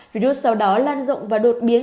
virus sau đó lan rộng và đột biến